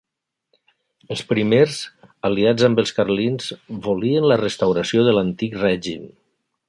Els primers, aliats amb els carlins, volien la restauració de l'Antic Règim.